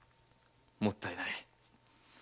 もったいない。